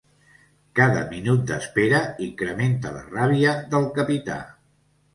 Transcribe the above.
Cada minut d'espera incrementa la ràbia del capità.